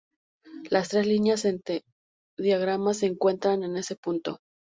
Las tres líneas en este diagrama se encuentran en ese punto.